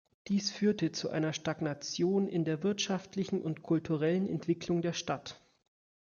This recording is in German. Dies führte zu einer Stagnation in der wirtschaftlichen und kulturellen Entwicklung der Stadt.